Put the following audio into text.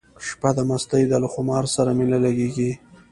شپه د مستۍ ده له خمار سره مي نه لګیږي